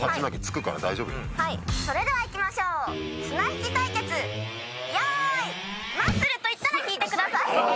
それでは行きましょう綱引き対決よいマッスル！と言ったら引いてください。